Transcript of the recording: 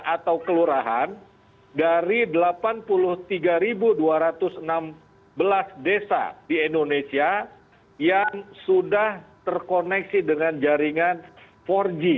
atau kelurahan dari delapan puluh tiga dua ratus enam belas desa di indonesia yang sudah terkoneksi dengan jaringan empat g